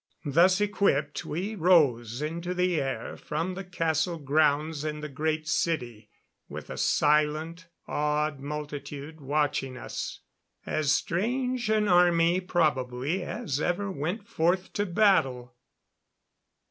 Thus equipped we rose into the air from the castle grounds in the Great City, with a silent, awed multitude watching us as strange an army, probably, as ever went forth to battle.